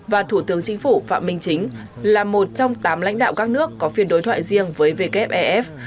và thủ tướng chính phủ phạm minh chính là một trong tám lãnh đạo các nước có phiên đối thoại riêng với wef